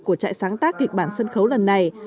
của trại sáng tác kịch bản sân khấu lần này